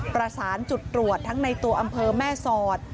ประสานจุดตรวจทั้งในตัวอำเภอแม่สอด